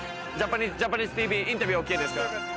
ジャパニーズＴＶインタビューＯＫですか？